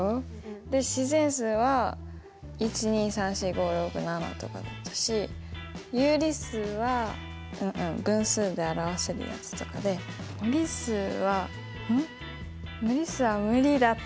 で自然数は１２３４５６７とかだったし有理数は分数で表せるやつとかで無理数は無理だった気がする！